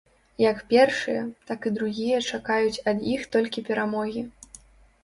Як першыя, так і другія чакаюць ад іх толькі перамогі.